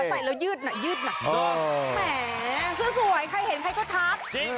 เขาใส่แล้วยืดหน่อยยืดหน่อยแหงซื่อสวยใครเห็นใครก็ทัก